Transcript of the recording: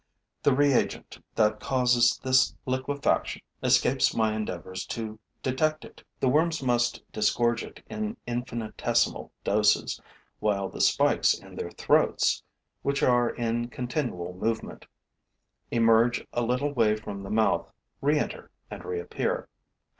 The reagent that causes this liquefaction escapes my endeavors to detect it. The worms must disgorge it in infinitesimal doses, while the spikes in their throats, which are in continual movement, emerge a little way from the mouth, reenter and reappear.